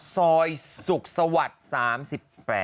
ซอยสุขสวัสดิ์๓๘